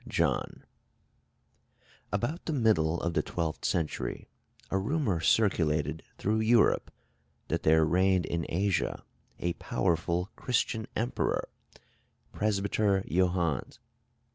] About the middle of the twelfth century, a rumor circulated through Europe that there reigned in Asia a powerful Christian Emperor, Presbyter Johannes.